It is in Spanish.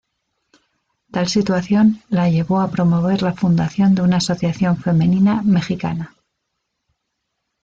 Tal situación la llevó a promover la fundación de una asociación femenina mexicana.